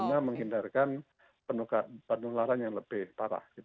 bagaimana menghindarkan penularan yang lebih parah